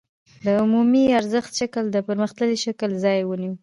د عمومي ارزښت شکل د پرمختللي شکل ځای ونیو